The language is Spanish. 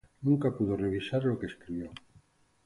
Nunca pudo revisar lo que escribió.